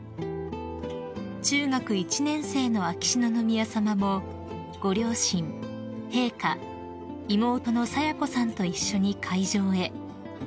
［中学１年生の秋篠宮さまもご両親陛下妹の清子さんと一緒に会場へ］